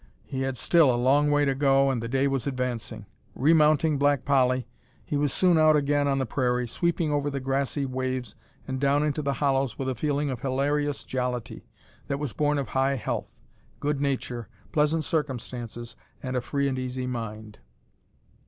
He had still a long way to go, and the day was advancing. Remounting Black Polly he was soon out again on the prairie, sweeping over the grassy waves and down into the hollows with a feeling of hilarious jollity, that was born of high health, good nature, pleasant circumstances, and a free and easy mind.